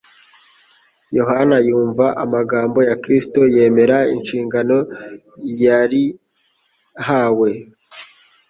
Yohana yumva amagambo ya Kristo yemera inshingano yari ahawe.